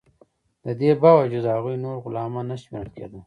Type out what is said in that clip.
د دې باوجود هغوی نور غلامان نه شمیرل کیدل.